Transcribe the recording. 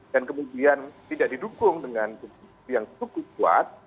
dan kemudian tidak didukung dengan bukti bukti yang cukup kuat